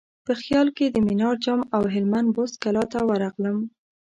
په خیال کې د منار جام او هلمند بست کلا ته ورغلم.